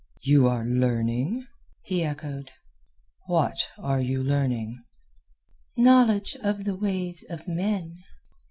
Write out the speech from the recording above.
"You are learning?" he echoed. "What are you learning?" "Knowledge of the ways of men."